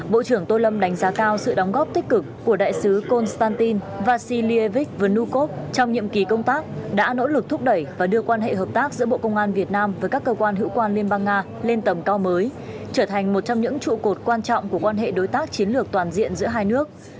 bộ trưởng tô lâm đánh giá cao sự đóng góp tích cực của đại sứ konstantin vasilie vic vunukov trong nhiệm kỳ công tác đã nỗ lực thúc đẩy và đưa quan hệ hợp tác giữa bộ công an việt nam với các cơ quan hữu quan liên bang nga lên tầm cao mới trở thành một trong những trụ cột quan trọng của quan hệ đối tác chiến lược toàn diện giữa hai nước